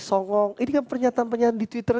songong ini kan pernyataan pernyataan di twitter